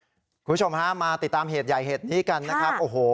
คุณผู้ชมฮะมาติดตามเหตุใหญ่เหตุนี้กันนะครับโอ้โห